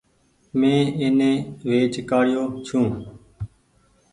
مين ايني ويچ ڪآڙيو ڇون ۔